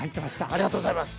ありがとうございます。